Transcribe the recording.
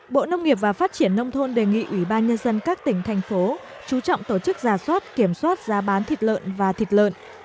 bộ nông nghiệp và phát triển nông thôn đề nghị ubnd các tỉnh thành phố trú trọng tổ chức giả soát kiểm soát giá bán thịt lợn và thịt lợn